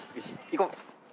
行こう！